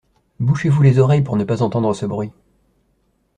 Bouchez-vous les oreilles pour ne pas entendre ce bruit.